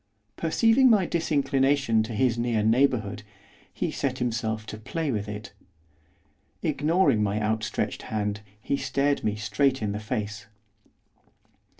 Perceiving my disinclination to his near neighbourhood, he set himself to play with it. Ignoring my outstretched hand, he stared me straight in the face.